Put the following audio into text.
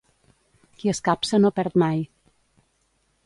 Qui escapça no perd mai.